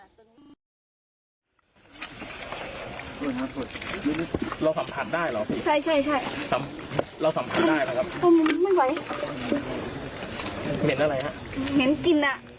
แล้วหมายความว่าอย่างไร